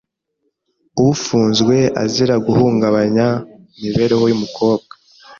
Ufunzwe azira guhungabanya imibereho y’umukobwa.